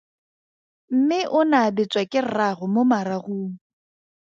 Mme o ne a betswa ke rraagwe mo maragong.